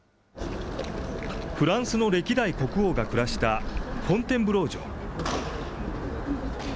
フランスの歴代国王が暮らしたフォンテンブロー城。